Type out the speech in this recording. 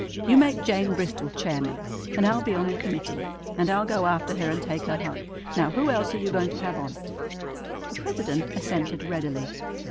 You make Jane Bristol chairman, and I'll be on the committee; and I'll go after her and take her home. Now, who else are you going to have on it?" The president assented readily.